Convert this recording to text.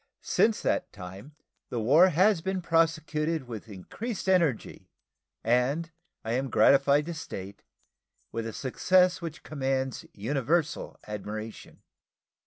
Since that time the war has been prosecuted with increased energy, and, I am gratified to state, with a success which commands universal admiration..